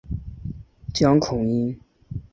江孔殷。